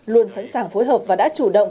luôn sẵn sàng phối hợp và đã chủ động